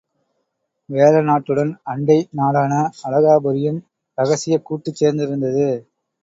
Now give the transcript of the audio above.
வேழ நாட்டுடன் அண்டை நாடான அழகாபுரியும் ரகசியக் கூட்டுச் சேர்ந்திருந்தது.